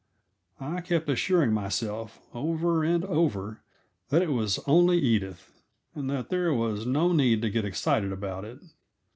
I kept assuring myself, over and over, that it was only Edith, and that there was no need to get excited about it.